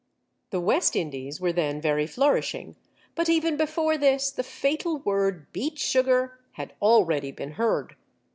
The West Indies were then very flourishing, but even before this the fatal word beet sugar had already been heard.